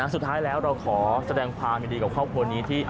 สุดท้ายแล้วเราขอแสดงความยินดีกับครอบครัวนี้ที่